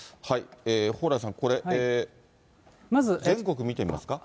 蓬莱さん、ここで、全国見てみますか。